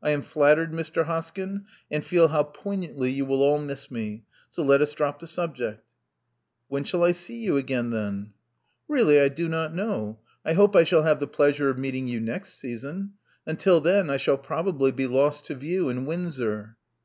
I am flattered, Mr. Hoskyn, and feel how poignantly you will all miss me. So let us drop the subject." "When shall I see you again, then?" Love Among the Artists 289 Really I do not know. I hope I shall have the pleasure of meeting you next season. Until then I shall probably be lost to view in Windsor."